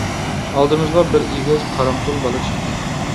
ئالدىمىزغا بىر ئېگىز، قارامتۇل بالا چىقتى.